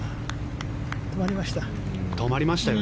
止まりました。